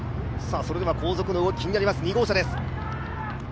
後続の動き気になります、２号車です。